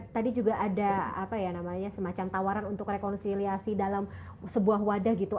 tadi juga ada semacam tawaran untuk rekonsiliasi dalam sebuah wadah gitu